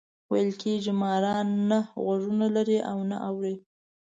ویل کېږي ماران نه غوږونه لري او نه اوري.